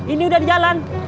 ini udah di jalan